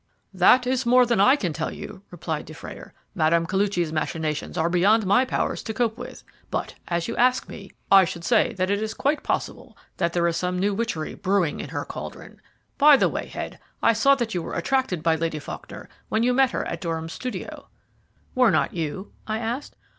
"That is more than I can tell you," replied Dufrayer. "Mme. Koluchy's machinations are beyond my powers to cope with. But as you ask me, I should say that it is quite possible that there is some new witchery brewing in her cauldron. By the way, Head, I saw that you were attracted by Lady Faulkner when you met her at Durham's studio." "Were not you?" I asked.